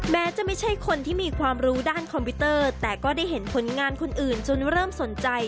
แม้จะไม่ใช่คนที่มีความรู้ด้านคอมพิวเตอร์แต่ก็ได้เห็นผลงานคนอื่นจนเริ่มสนใจ